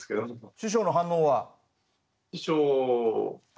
師匠の反応は？